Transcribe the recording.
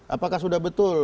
apakah sudah betul